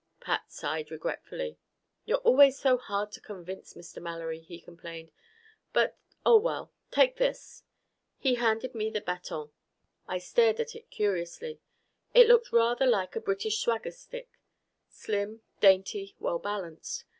Pat sighed regretfully. "You're always so hard to convince, Mr. Mallory," he complained. "But oh, well! Take this." He handed me the baton. I stared at it curiously. It looked rather like a British swagger stick: slim, dainty, well balanced.